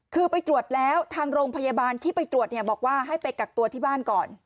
คือไปตรวจแล้วทางโรงพยาบาลที่ไปตรวจเนี่ยบอกว่าให้ไปกักตัวที่บ้านก่อน